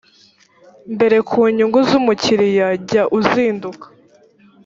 mbere ku nyungu z umukiriya jya uzinduka